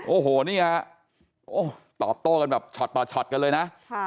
โอ้โหนี่ฮะโอ้ตอบโต้กันแบบช็อตต่อช็อตกันเลยนะ